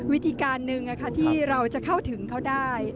วิธีการหนึ่งที่เราจะเข้าถึงเขาได้